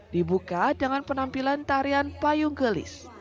dibuka dengan penampilan tarian payung gelis